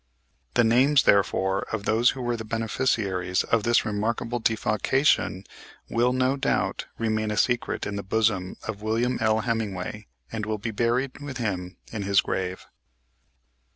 The names, therefore, of those who were the beneficiaries of this remarkable defalcation will, no doubt, remain a secret in the bosom of William L. Hemmingway, and will be buried with him in his grave.